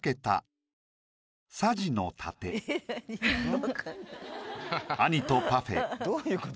わかんない。